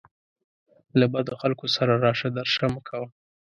له بدو خلکو سره راشه درشه مه کوه